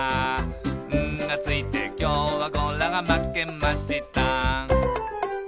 「『ん』がついてきょうはゴラがまけました」